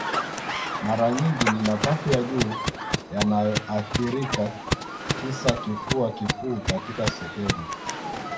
Mara nyingi ni mapafu ya juu yanayoathirika tisa Kifua kikuu katika sehemu